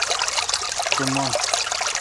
تو من